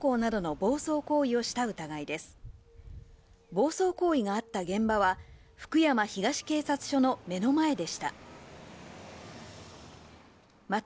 暴走行為があった現場は、福山東警察署の目の前でした。